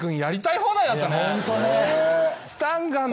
ホントね。